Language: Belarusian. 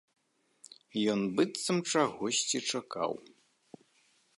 Ён быццам чагосьці чакаў.